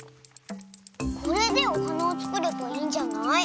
これでおはなをつくればいいんじゃない？